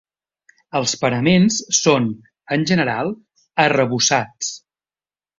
Els paraments són, en general, arrebossats.